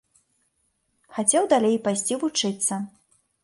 Хацеў далей пайсці вучыцца.